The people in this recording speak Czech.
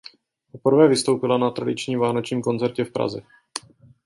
Poprvé vystoupila na tradičním vánočním koncertě v Praze.